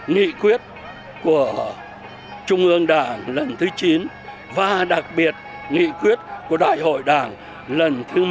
nghị quyết của trung ương đảng lần thứ chín và đặc biệt nghị quyết của đại hội đảng lần thứ một mươi ba